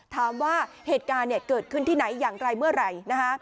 ถามว่าเหตุการณ์เกิดขึ้นที่ไหนอย่างไรเมื่อไหร่นะคะ